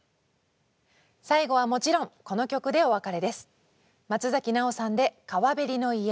最後はもちろんこの曲でお別れです。